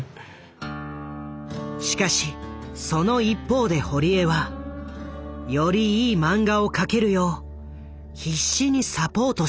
しかしその一方で堀江はよりいい漫画を描けるよう必死にサポートした。